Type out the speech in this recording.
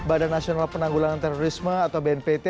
badan nasional penanggulangan terorisme atau bnpt